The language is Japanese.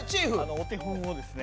お手本をですね。